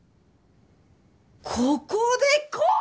ここでこう！